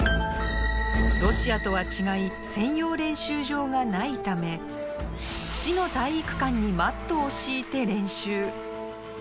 ロシアとは違い専用練習場がないため市の体育館にマットを敷いて練習。